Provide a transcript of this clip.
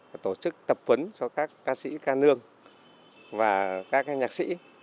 và tổ chức tập quấn cho các ca sĩ